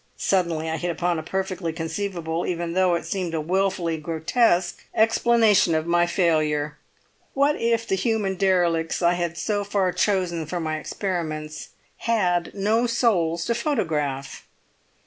Suddenly I hit upon a perfectly conceivable (even though it seem a wilfully grotesque) explanation of my failure. What if the human derelicts I had so far chosen for my experiments had no souls to photograph?